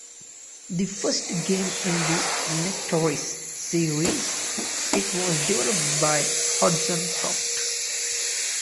The first game in the "Nectaris" series, it was developed by Hudson Soft.